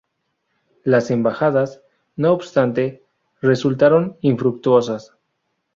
Las embajadas, no obstante, resultaron infructuosas.